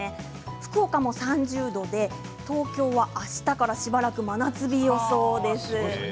福岡も３０度で東京はあしたからしばらく真夏日の予想です。